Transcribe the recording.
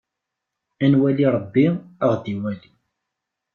A nwali Ṛebbi, ad aɣ-d-iwali.